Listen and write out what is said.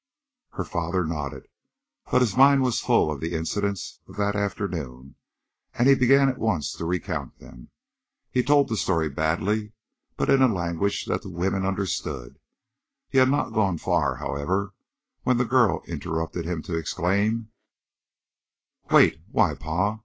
Her father nodded, but his mind was full of the incidents of that afternoon and he began at once to recount them. He told the story badly, but in a language that the women understood. He had not gone far, however, when the girl interrupted him to exclaim: "Wait! Why, Pa!